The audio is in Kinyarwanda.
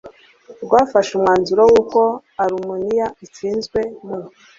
rwafashe umwanzuro w uko Arumeniya itsinzwe mu